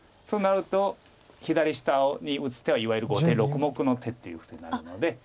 そうなると左下に打つ手はいわゆる後手６目の手っていうことになるので。